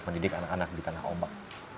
mendidik anak anak di tanah ombak